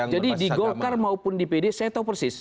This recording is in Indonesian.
jadi di golkar maupun di pdi saya tahu persis